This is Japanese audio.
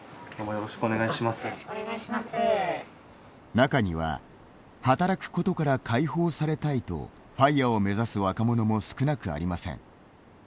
中には「働くことから解放されたい」とＦＩＲＥを目指す若者も少なくありません。